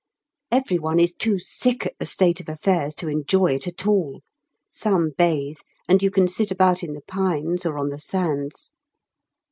Every one is too sick at the state of affairs to enjoy it at all; some bathe, and you can sit about in the pines or on the sands.